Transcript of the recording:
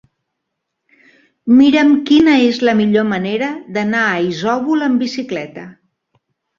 Mira'm quina és la millor manera d'anar a Isòvol amb bicicleta.